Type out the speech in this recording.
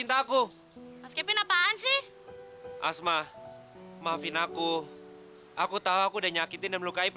terima cinta aku